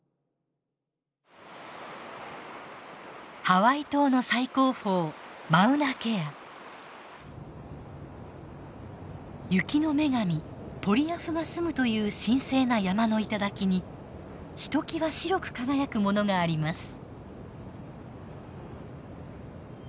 ハワイ島の最高峰雪の女神ポリアフが住むという神聖な山の頂にひときわ白く輝くものがあります。